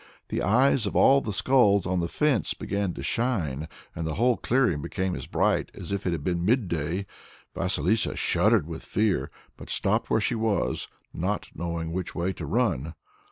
The eyes of all the skulls on the fence began to shine and the whole clearing became as bright as if it had been midday. Vasilissa shuddered with fear, but stopped where she was, not knowing which way to run.